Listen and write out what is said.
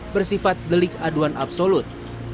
bersifat delik aduan absolut